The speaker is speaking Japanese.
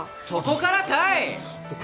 そこからかい。